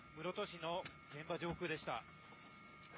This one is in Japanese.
室戸市の現場上空でした。